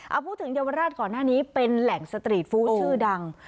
เอาพูดถึงเยาวราชก่อนหน้านี้เป็นแหล่งสตรีทฟู้ดชื่อดัง